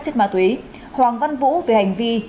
chất ma túy hoàng văn vũ về hành vi